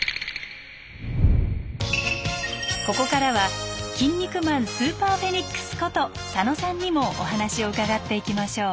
ここからはキン肉マンスーパー・フェニックスこと佐野さんにもお話を伺っていきましょう。